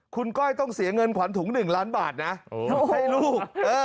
คุณก้อยต้องเสียเงินขวัญถุง๑ล้านบาทนะให้ลูก